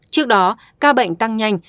trước đó ca bệnh tăng nhanh